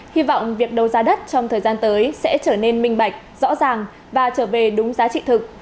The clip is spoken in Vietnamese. hy vọng việc đấu giá đất trong thời gian tới sẽ trở nên minh bạch rõ ràng và trở về đúng giá trị thực